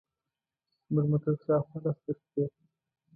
زموږ موټر شاوخوا لس دقیقې.